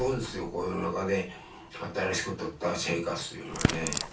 向陽寮の中で新しくとった生活というのはね。